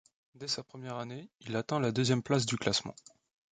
Dès sa première année, il atteint la deuxième place du classement.